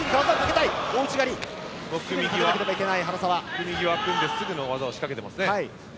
組み際で組んですぐに仕掛けていますね。